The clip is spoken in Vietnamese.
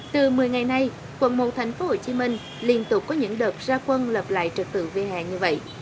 từ một mươi ngày nay quận một tp hcm liên tục có những đợt ra quân lập lại trật tự vỉa hè như vậy